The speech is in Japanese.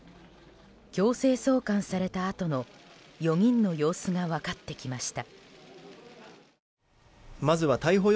強制送還されたあとの４人の様子が分かってきました。